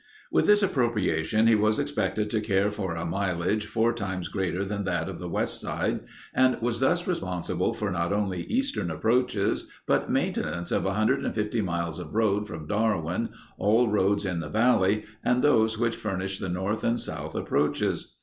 With this appropriation he was expected to care for a mileage four times greater than that of the west side and was thus responsible for not only eastern approaches but maintenance of 150 miles of road from Darwin, all roads in the valley and those which furnished the north and south approaches.